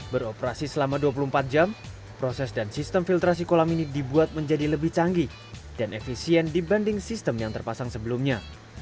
beroperasi selama dua puluh empat jam proses dan sistem filtrasi kolam ini dibuat menjadi lebih canggih dan efisien dibanding sistem yang terpasang sebelumnya